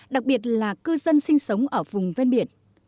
đặc biệt là cư dân sinh sống ở vùng ven biển